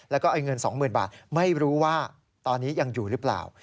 แล้วก็เงิน๒๐๐๐บาทไม่รู้ว่าตอนนี้ยังอยู่หรือเปล่า